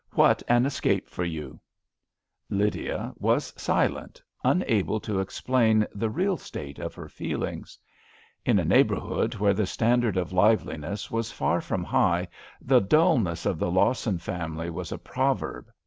What an escape for you I " Lydia was silent; unable to explain the real state of her feelings. A RAINY DAY. 1 25 In a neighbourhood where the standard of liveliness was far from high, the dulness of the Lawson family was a proverb.